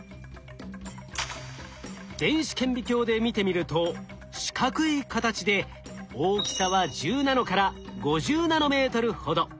電子顕微鏡で見てみると四角い形で大きさは１０ナノから５０ナノメートルほど。